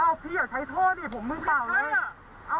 อ้าวพี่อยากใช้ท่อดิผมมื้อเปล่าเลยมื้อเปล่าเลยมื้อเปล่าเลย